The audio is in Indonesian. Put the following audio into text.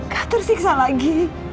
gak tersiksa lagi